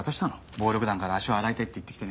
暴力団から足を洗いたいって言ってきてね。